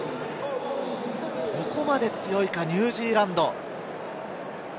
ここまで強いか、ニュージーランド。